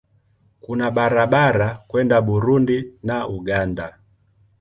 Kuna barabara kwenda Burundi na Uganda.